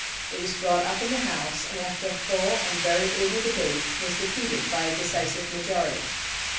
It was brought up in the house, and after a full and very able debate was defeated by a decisive majority.